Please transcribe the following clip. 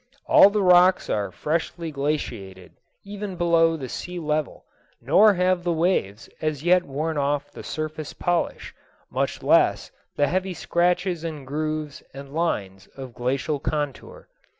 All the rocks are freshly glaciated, even below the sea level, nor have the waves as yet worn off the surface polish, much less the heavy scratches and grooves and lines of glacial contour.